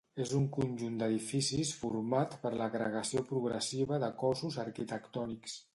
És un conjunt d'edificis format per l'agregació progressiva de cossos arquitectònics.